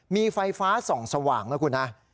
มีไฟฟ้าส่องสว่างนะคุณฮะ